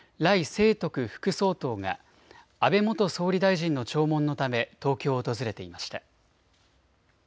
清徳副総統が安倍元総理大臣の弔問のため東京を訪れていました。